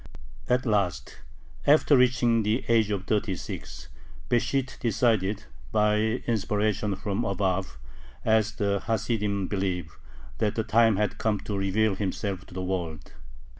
At last, after reaching the age of thirty six, Besht decided, by inspiration from above, as the Hasidim believe, that the time had come "to reveal himself to the world."